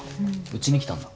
うちに来たんだ？